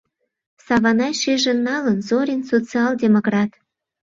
Саванай шижын налын, Зорин — социал-демократ.